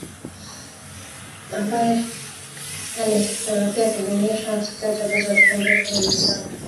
ambaye aliharakia kuidhinisha matokeo ya uchaguzi wa elfu mbili kumi na saba